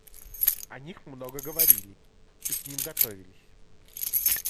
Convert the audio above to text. О них много говорили и к ним готовились.